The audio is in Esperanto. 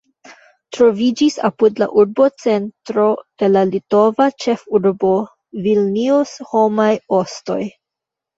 Troviĝis apud la urbocentro de la litova ĉefurbo Vilnius homaj ostoj.